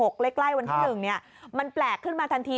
ใกล้วันที่๑มันแปลกขึ้นมาทันที